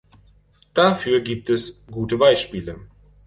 Dafür gibt es gute Beispiele.